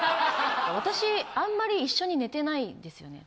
私あんまり一緒に寝てないですよね。